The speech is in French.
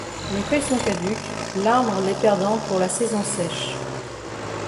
Les feuilles sont caduques, l'arbre les perdant pour la saison sèche.